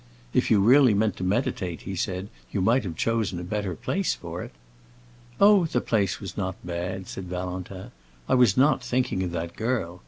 "If you really meant to meditate," he said, "you might have chosen a better place for it." "Oh, the place was not bad," said Valentin. "I was not thinking of that girl.